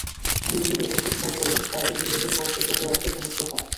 দুই যুগের অধিককাল ধরে তারা এটি নিজেদের করতলগত রাখতে সমর্থ হয়।